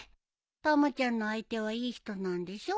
たまちゃんの相手はいい人なんでしょ？